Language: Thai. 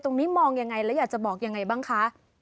ตรงนี้มองยังไงแล้วอยากจะบอกยังไงบ้างคะ